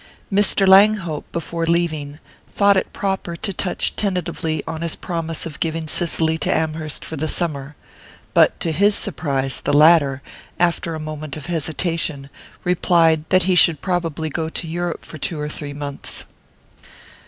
Mr. Langhope, before leaving, thought it proper to touch tentatively on his promise of giving Cicely to Amherst for the summer; but to his surprise the latter, after a moment of hesitation, replied that he should probably go to Europe for two or three months.